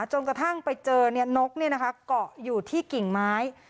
จนกระทั่งไปเจอนกเกาะอยู่ที่กิ่งไม้